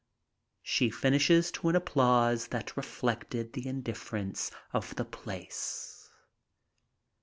She finished to an applause that reflected the indifference of the place.